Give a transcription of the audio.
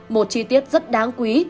một chi tiết rất đáng quý